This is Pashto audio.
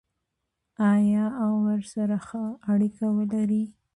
آیا او ورسره ښه اړیکه ولري؟